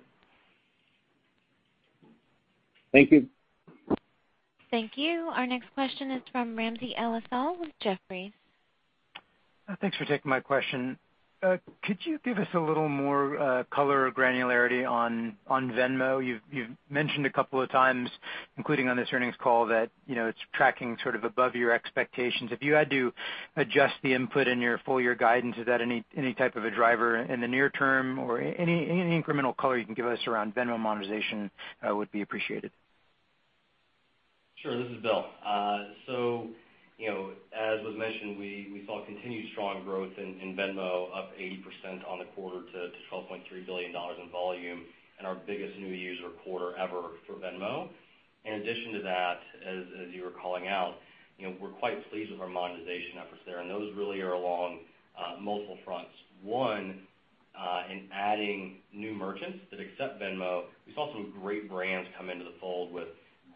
Thank you. Thank you. Our next question is from Ramsey El-Assal with Jefferies. Thanks for taking my question. Could you give us a little more color or granularity on Venmo? You've mentioned a couple of times, including on this earnings call, that it's tracking sort of above your expectations. If you had to adjust the input in your full year guidance, is that any type of a driver in the near term, or any incremental color you can give us around Venmo monetization would be appreciated. Sure. This is Bill. As was mentioned, we saw continued strong growth in Venmo, up 80% on the quarter to $12.3 billion in volume, and our biggest new user quarter ever for Venmo. In addition to that, as you were calling out, we are quite pleased with our monetization efforts there, and those really are along multiple fronts. One, in adding new merchants that accept Venmo. We saw some great brands come into the fold with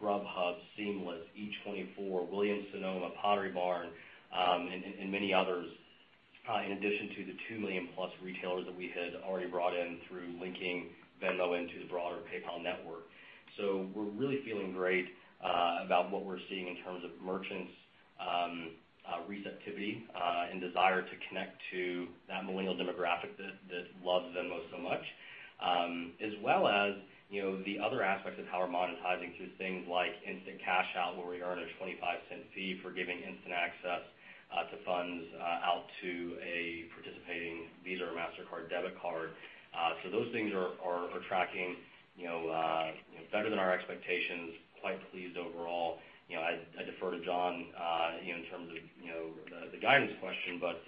Grubhub, Seamless, Eat24, Williams-Sonoma, Pottery Barn, and many others, in addition to the 2 million-plus retailers that we had already brought in through linking Venmo into the broader PayPal network. We are really feeling great about what we are seeing in terms of merchants' receptivity and desire to connect to that millennial demographic that loves Venmo so much. As well as the other aspects of how we are monetizing through things like instant cash out, where we earn a $0.25 fee for giving instant access lots of funds out to a participating Visa or Mastercard debit card. Those things are tracking better than our expectations, quite pleased overall. I defer to John in terms of the guidance question, but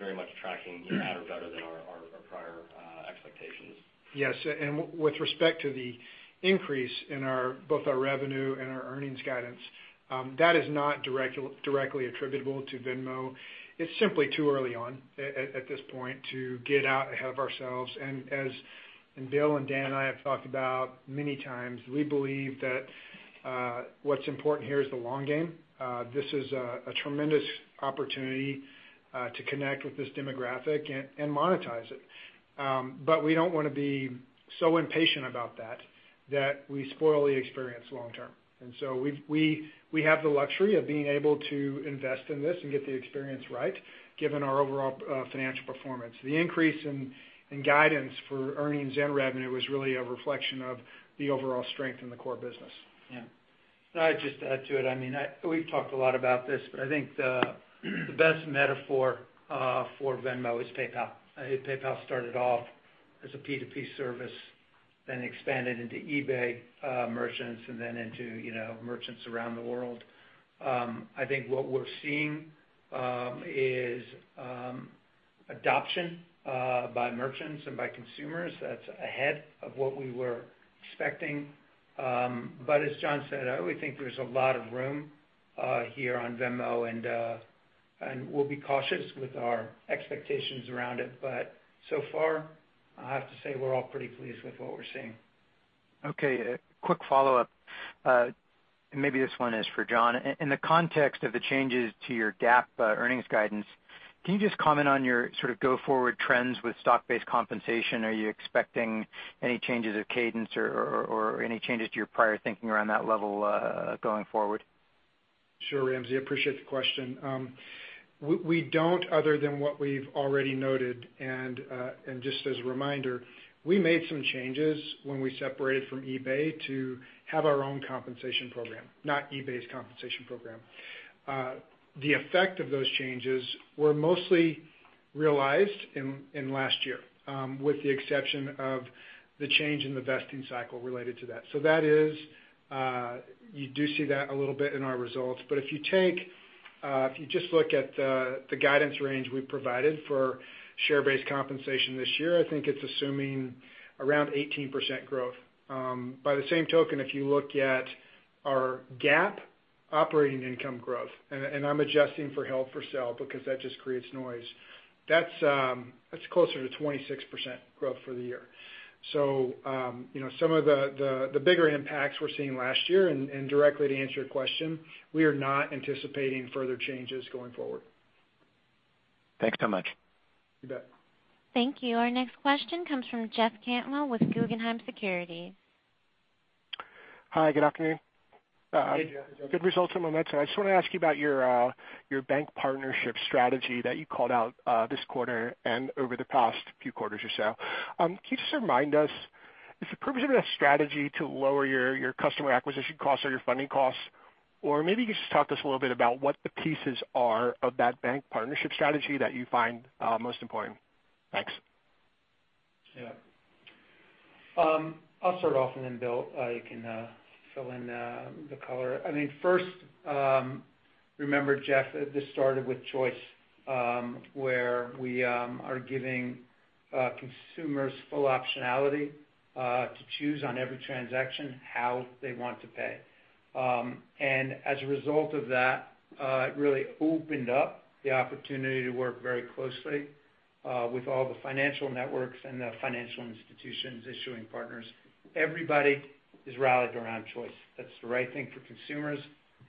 very much tracking at or better than our prior expectations. Yes. With respect to the increase in both our revenue and our earnings guidance, that is not directly attributable to Venmo. It is simply too early on at this point to get out ahead of ourselves. As Bill and Dan and I have talked about many times, we believe that what is important here is the long game. This is a tremendous opportunity to connect with this demographic and monetize it. We do not want to be so impatient about that we spoil the experience long-term. We have the luxury of being able to invest in this and get the experience right, given our overall financial performance. The increase in guidance for earnings and revenue was really a reflection of the overall strength in the core business. Yeah. I would just add to it, we have talked a lot about this, but I think the best metaphor for Venmo is PayPal. PayPal started off as a P2P service, then expanded into eBay merchants, and then into merchants around the world. I think what we are seeing is adoption by merchants and by consumers that is ahead of what we were expecting. As John said, I really think there is a lot of room here on Venmo, and we will be cautious with our expectations around it. So far, I have to say, we are all pretty pleased with what we are seeing. Okay. A quick follow-up, maybe this one is for John. In the context of the changes to your GAAP earnings guidance, can you just comment on your go-forward trends with stock-based compensation? Are you expecting any changes of cadence or any changes to your prior thinking around that level going forward? Sure, Ramsey. Appreciate the question. We don't, other than what we've already noted. Just as a reminder, we made some changes when we separated from eBay to have our own compensation program, not eBay's compensation program. The effect of those changes were mostly realized in last year with the exception of the change in the vesting cycle related to that. That is, you do see that a little bit in our results. If you just look at the guidance range we provided for share-based compensation this year, I think it's assuming around 18% growth. By the same token, if you look at our GAAP operating income growth, I'm adjusting for held-for-sale because that just creates noise, that's closer to 26% growth for the year. Some of the bigger impacts we're seeing last year, directly to answer your question, we are not anticipating further changes going forward. Thanks so much. You bet. Thank you. Our next question comes from Jeff Cantwell with Guggenheim Securities. Hi, good afternoon. Hey, Jeff. Good results on momentum. I just want to ask you about your bank partnership strategy that you called out this quarter and over the past few quarters or so. Can you just remind us, is the purpose of that strategy to lower your customer acquisition costs or your funding costs? Maybe you could just talk to us a little bit about what the pieces are of that bank partnership strategy that you find most important. Thanks. Yeah. I'll start off, and then Bill, you can fill in the color. First, remember, Jeff, this started with Choice, where we are giving consumers full optionality to choose on every transaction how they want to pay. As a result of that, it really opened up the opportunity to work very closely with all the financial networks and the financial institutions' issuing partners. Everybody is rallied around Choice. That's the right thing for consumers,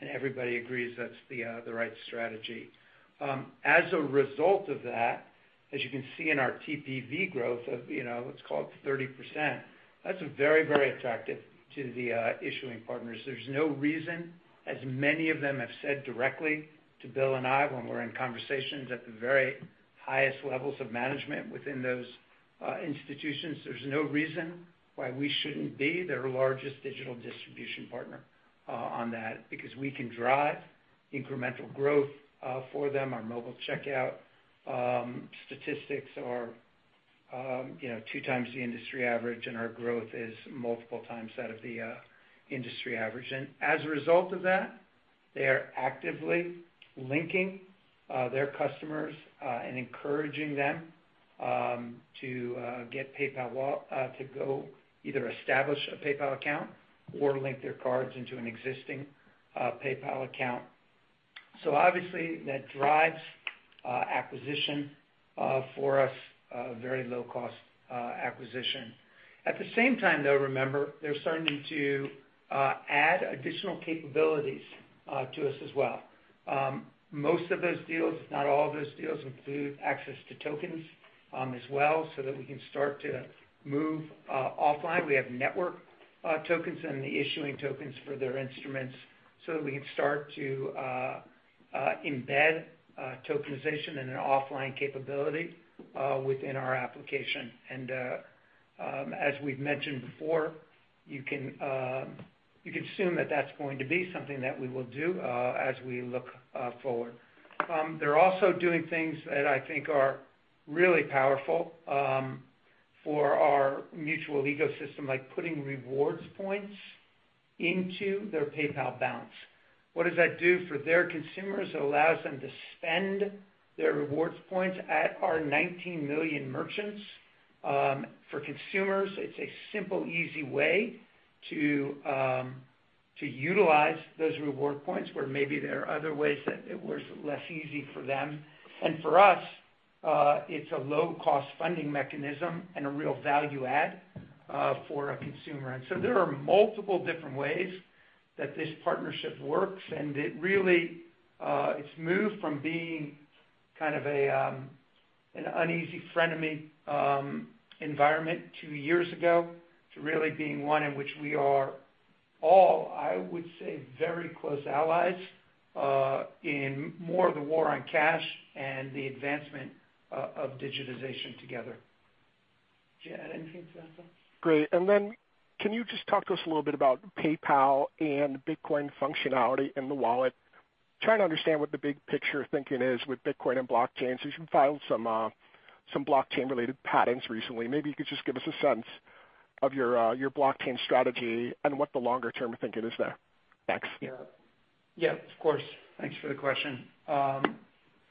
and everybody agrees that's the right strategy. As a result of that, as you can see in our TPV growth of, let's call it 30%, that's very attractive to the issuing partners. There's no reason, as many of them have said directly to Bill and I when we're in conversations at the very highest levels of management within those institutions, there's no reason why we shouldn't be their largest digital distribution partner on that because we can drive incremental growth for them. Our mobile checkout statistics are 2 times the industry average, and our growth is multiple times that of the industry average. As a result of that, they are actively linking their customers and encouraging them to get PayPal to go either establish a PayPal account or link their cards into an existing PayPal account. Obviously, that drives acquisition for us, very low-cost acquisition. At the same time, though, remember, they're starting to add additional capabilities to us as well. Most of those deals, if not all of those deals, include access to tokens as well, so that we can start to move offline. We have network tokens and the issuing tokens for their instruments so that we can start to embed tokenization and an offline capability within our application. As we've mentioned before, you can assume that that's going to be something that we will do as we look forward. They're also doing things that I think are really powerful for our mutual ecosystem, like putting rewards points into their PayPal balance. What does that do for their consumers? It allows them to spend their rewards points at our 19 million merchants. For consumers, it's a simple, easy way to utilize those reward points, where maybe there are other ways that it was less easy for them. For us, it's a low-cost funding mechanism and a real value add for a consumer. There are multiple different ways that this partnership works, and it really, it's moved from being kind of an uneasy frenemy environment two years ago to really being one in which we are all, I would say, very close allies in more of the war on cash and the advancement of digitization together. Do you have anything to add to that? Great. Can you just talk to us a little bit about PayPal and Bitcoin functionality in the wallet? Trying to understand what the big picture thinking is with Bitcoin and blockchain. You've filed some blockchain-related patents recently. Maybe you could just give us a sense of your blockchain strategy and what the longer-term thinking is there. Thanks. Yeah. Of course. Thanks for the question.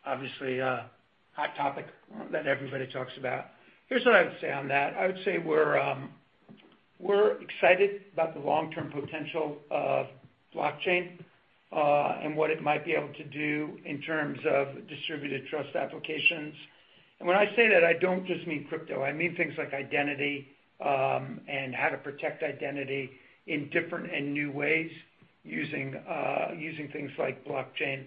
Obviously a hot topic that everybody talks about. Here's what I would say on that. I would say we're excited about the long-term potential of blockchain, and what it might be able to do in terms of distributed trust applications. When I say that, I don't just mean crypto. I mean things like identity, and how to protect identity in different and new ways using things like blockchain.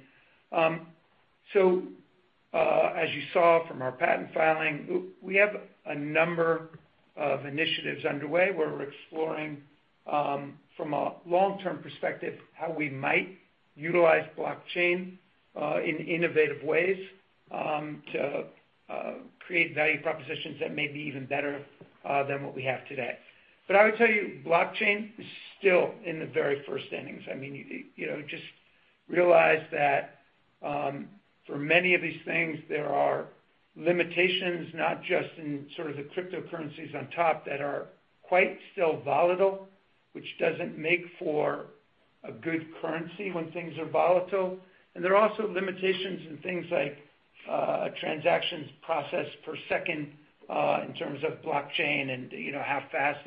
As you saw from our patent filing, we have a number of initiatives underway where we're exploring, from a long-term perspective, how we might utilize blockchain in innovative ways, to create value propositions that may be even better than what we have today. I would tell you, blockchain is still in the very first innings. Just realize that for many of these things, there are limitations, not just in sort of the cryptocurrencies on top that are quite still volatile, which doesn't make for a good currency when things are volatile. There are also limitations in things like transactions processed per second in terms of blockchain and how fast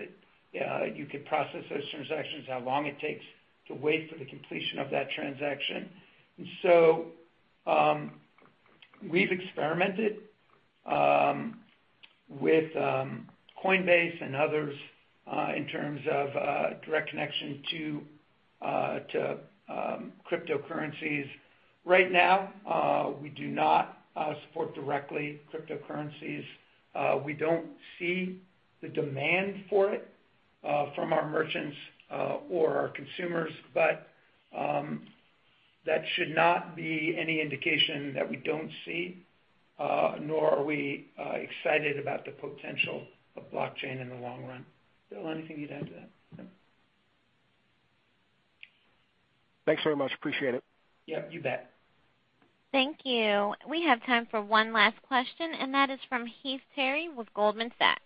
you can process those transactions, how long it takes to wait for the completion of that transaction. We've experimented with Coinbase and others in terms of direct connection to cryptocurrencies. Right now, we do not support directly cryptocurrencies. We don't see the demand for it from our merchants or our consumers, but that should not be any indication that we don't see, nor are we excited about the potential of blockchain in the long run. Bill, anything you'd add to that? No. Thanks very much. Appreciate it. Yep, you bet. Thank you. We have time for one last question, and that is from Heath Terry with Goldman Sachs.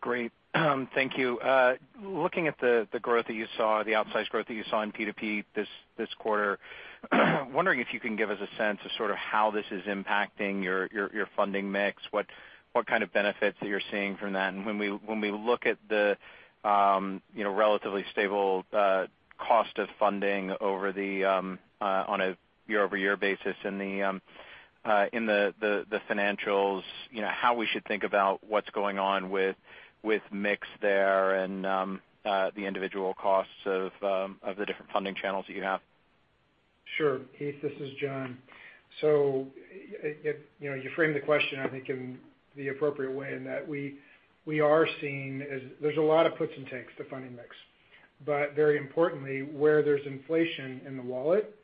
Great. Thank you. Looking at the growth that you saw, the outsized growth that you saw in P2P this quarter, wondering if you can give us a sense of sort of how this is impacting your funding mix, what kind of benefits that you're seeing from that. When we look at the relatively stable cost of funding on a year-over-year basis in the financials, how we should think about what's going on with mix there and the individual costs of the different funding channels that you have. Sure, Heath. This is John. You framed the question, I think, in the appropriate way in that we are seeing there's a lot of puts and takes to funding mix. Very importantly, where there's inflation in the wallet,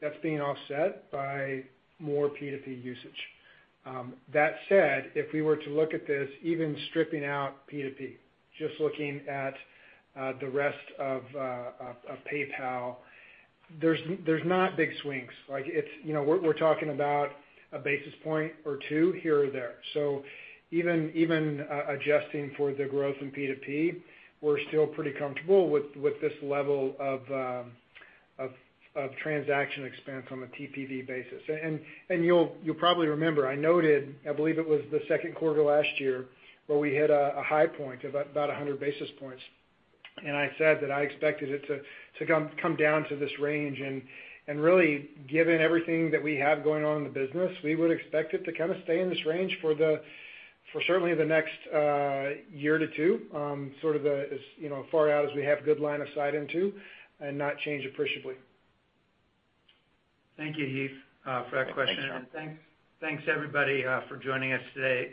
that's being offset by more P2P usage. That said, if we were to look at this, even stripping out P2P, just looking at the rest of PayPal, there's not big swings. We're talking about a basis point or two here or there. Even adjusting for the growth in P2P, we're still pretty comfortable with this level of transaction expense on a TPV basis. You'll probably remember, I noted, I believe it was the second quarter last year, where we hit a high point of about 100 basis points, and I said that I expected it to come down to this range. Really given everything that we have going on in the business, we would expect it to kind of stay in this range for certainly the next year to two, sort of as far out as we have good line of sight into, and not change appreciably. Thank you, Heath, for that question. Thanks, John. Thanks, everybody, for joining us today.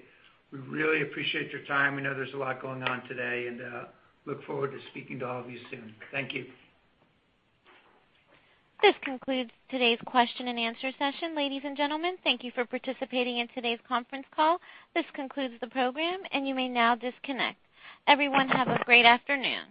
We really appreciate your time. We know there's a lot going on today, and look forward to speaking to all of you soon. Thank you. This concludes today's question and answer session. Ladies and gentlemen, thank you for participating in today's conference call. This concludes the program, and you may now disconnect. Everyone, have a great afternoon.